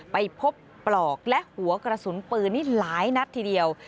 ไปพบปลอกและหัวกระสุนปืนนี่หลายนัดทีเดียว